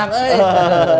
karena sudah pulang